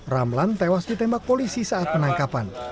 ramlan tewas ditembak polisi saat penangkapan